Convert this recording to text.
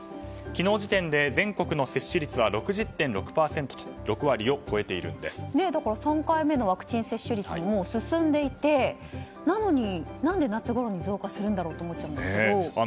昨日時点で全国の接種率は６０．６％と３回目のワクチン接種率も進んでいて、なのに何で夏ごろに増加するんだろうと思ったんですけど。